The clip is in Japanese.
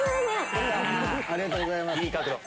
ありがとうございます。